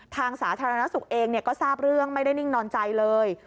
สาธารณสุขเองก็ทราบเรื่องไม่ได้นิ่งนอนใจเลย